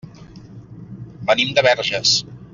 Venim de Verges.